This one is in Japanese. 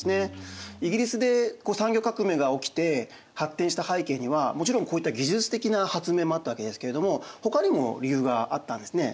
イギリスで産業革命が起きて発展した背景にはもちろんこういった技術的な発明もあったわけですけれどもほかにも理由があったんですね。